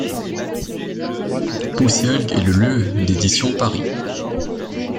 Poussielgue et le lieu d’édition Paris.